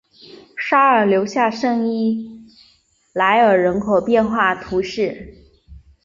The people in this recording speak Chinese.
沙尔留下圣伊莱尔人口变化图示